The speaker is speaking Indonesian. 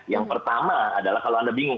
yang pertama adalah kalau anda bingung